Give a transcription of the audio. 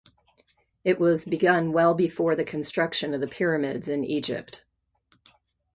It was begun well before the construction of the pyramids in Egypt.